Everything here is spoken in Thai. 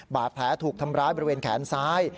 บาดแผลถูกทำร้ายบริเวณแขนซ้าย